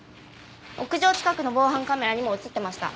屋上近くの防犯カメラにも映ってました。